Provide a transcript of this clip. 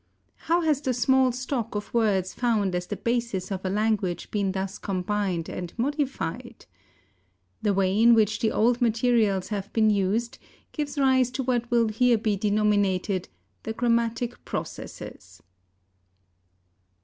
How has the small stock of words found as the basis of a language been thus combined and modified? The way in which the old materials have been used gives rise to what will here be denominated THE GRAMMATIC PROCESSES.